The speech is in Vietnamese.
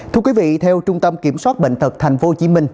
thưa quý vị theo trung tâm kiểm soát bệnh tật tp hcm